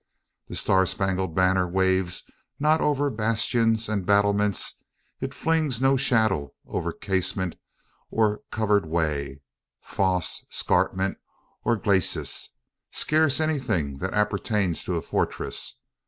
That star spangled banner waves not over bastions and battlements; it flings no shadow over casemate or covered way, fosse, scarpment, or glacis scarce anything that appertains to a fortress.